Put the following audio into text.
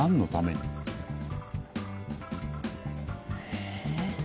え？